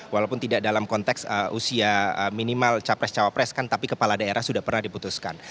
walaupun tidak dalam konteks usia minimal capres cawapres kan tapi kepala daerah sudah pernah diputuskan